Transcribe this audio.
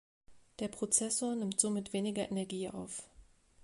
Der Prozessor nimmt somit weniger Energie auf.